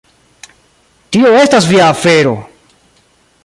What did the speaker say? Tio estas via afero!